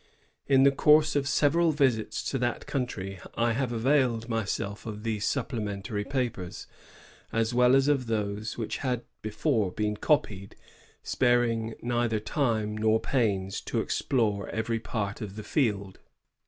In the course of sev eral visits to that country, I have availed myself PBEFACE. zl of these supplementary papers, as well as of tiiose which had before been copied, sparing neither time nor pains to explore every part of the field.